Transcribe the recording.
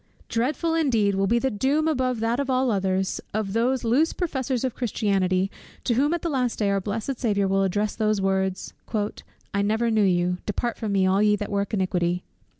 Dreadful indeed will be the doom, above that of all others, of those loose professors of Christianity, to whom at the last day our blessed Saviour will address those words, "I never knew you; depart from me, all ye that work iniquity."